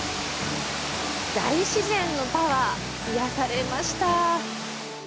大自然のパワー、癒やされました。